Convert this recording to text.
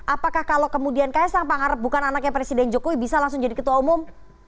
apakah kalau kemudian ksang pengharap bukan anaknya presiden jokowi bisa langsung jadi ketua umum